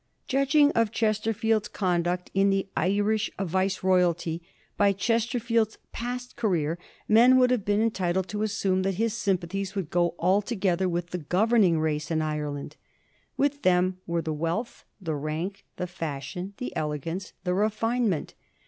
Judging of Ches terfield's conduct in the Irish Viceroyalty by Chesterfield's past career, men would have been entitled to assume that his sympathies would go altogether with the governing race in Ireland. With them were the wealth, the rank, the fashion, the elegance, the refinement.